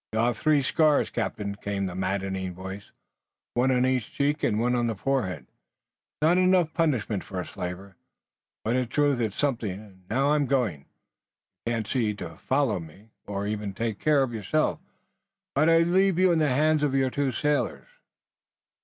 "You'll have three scars, captain," came the maddening voice, "one on each cheek and one on the forehead. It's not enough punishment for a slaver, but, in truth, it's something. And now I'm going. You can't see to follow me, or even to take care of yourself but I leave you in the hands of your two sailors."